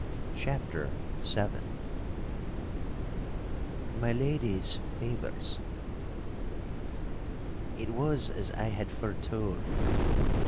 *CHAPTER VII* *MY LADY'S FAVOURS* It was as I had foretold.